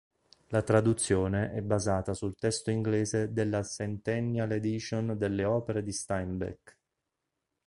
La traduzione è basata sul testo inglese della "Centennial Edition" delle Opere di Steinbeck.